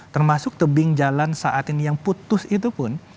termasuk tebing jalan saat ini yang putus itu pun